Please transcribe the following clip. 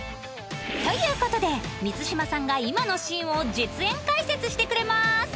という事で満島さんが今のシーンを実演解説してくれます